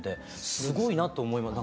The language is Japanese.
すごいなと思いますなんか。